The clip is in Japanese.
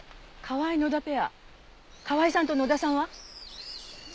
河合野田ペア河合さんと野田さんは？